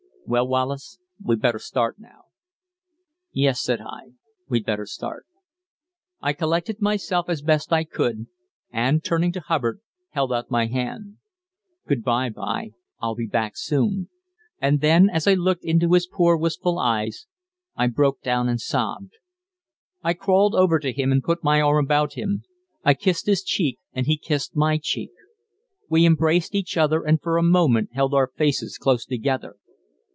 "Well, Wallace, we'd better start now." "Yes," I said; "we'd better start." I collected myself as best I could, and, turning to Hubbard, held out my hand. "Good bye, b'y; I'll be back soon." And then, as I looked into his poor, wistful eyes, I broke down and sobbed. I crawled over to him, and put my arm about him. I kissed his cheek, and he kissed my cheek. We embraced each other, and for a moment held our faces close together.